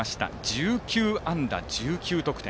１９安打１９得点。